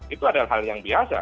itu adalah hal yang biasa